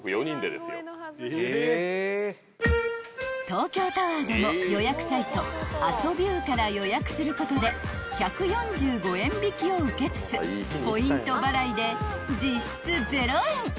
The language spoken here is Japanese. ［東京タワーでも予約サイトアソビュー！から予約することで１４５円引きを受けつつポイント払いで実質０円］